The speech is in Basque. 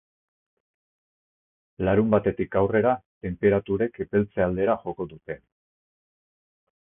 Larunbatetik aurrera tenperaturek epeltze aldera joko dute.